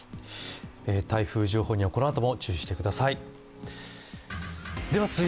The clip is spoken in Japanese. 台風情報にはこのあとも注意してください。